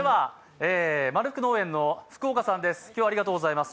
まるふく農園の福岡さんです。